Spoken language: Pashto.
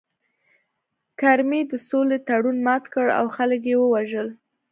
کرمي د سولې تړون مات کړ او خلک یې ووژل